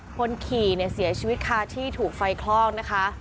คนขี่เนี่ยเสียชีวิตคาที่ถูกไฟคลอกนะคะ